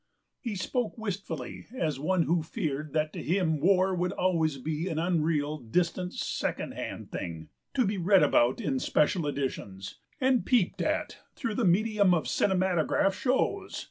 "He spoke wistfully, as one who feared that to him war would always be an unreal, distant, second hand thing, to be read about in special editions, and peeped at through the medium of cinematograph shows.